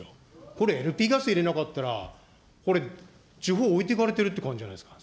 これ、ＬＰガス入れなかったら、これ地方置いてかれてるって感じじゃないですか。